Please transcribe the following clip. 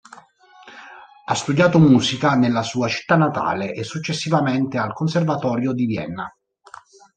Ha studiato musica nella sua città natale, e successivamente al Conservatorio di Vienna.